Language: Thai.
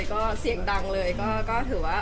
ก็เสียงดังเลยก็ถือว่า